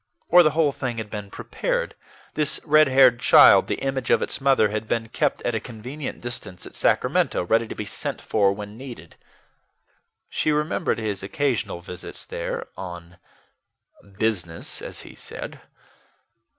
Or the whole thing had been prepared: this red haired child, the image of its mother, had been kept at a convenient distance at Sacramento, ready to be sent for when needed. She remembered his occasional visits there on business, as he said.